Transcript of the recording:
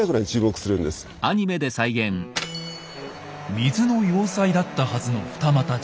水の要塞だったはずの二俣城。